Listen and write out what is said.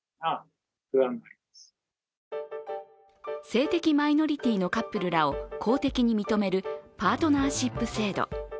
性的マイノリティーのカップルらを公的に認めるパートナーシップ制度。